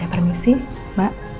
saya permisi mak